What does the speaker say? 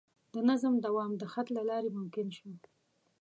د نظم دوام د خط له لارې ممکن شو.